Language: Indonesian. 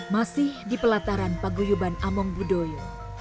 masih di pelataran paguyuban among budoyo